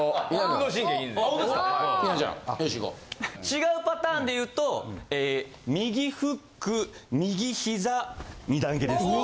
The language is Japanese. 違うパターンでいうと右フック右ひざ二段蹴りですね。